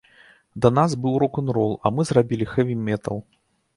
Да нас быў рок-н-рол, а мы зрабілі хэві метал!